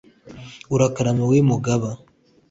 urakarama, wowe mugaba